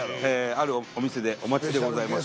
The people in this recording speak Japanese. あるお店でお待ちでございます。